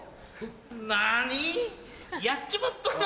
なに⁉やっちまったな‼